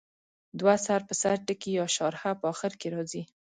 دوه سر په سر ټکي یا شارحه په اخر کې راځي.